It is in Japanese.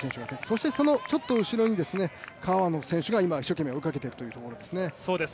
そしてそのちょっと後ろに川野選手が一生懸命追いかけているというところですね。